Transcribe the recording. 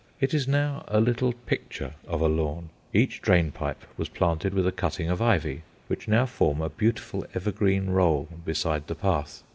It is now a little picture of a lawn. Each drain pipe was planted with a cutting of ivy, which now form a beautiful evergreen roll beside the path.